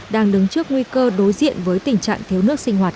đang đứng trước nguy cơ đối diện với tình trạng thiếu nước sinh hoạt